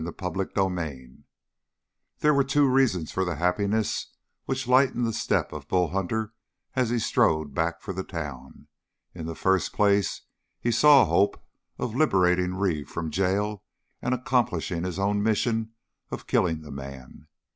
CHAPTER 8 There were two reasons for the happiness which lightened the step of Bull Hunter as he strode back for the town. In the first place he saw a hope of liberating Reeve from jail and accomplishing his own mission of killing the man.